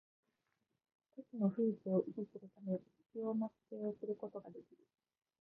都市の風致を維持するため必要な規制をすることができる